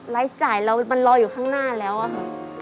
ร้ายจ่ายมันรออยู่ข้างหน้าแล้วครับ